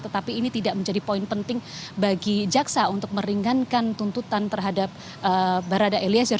tetapi ini tidak menjadi poin penting bagi jaksa untuk meringankan tuntutan terhadap barada eliezer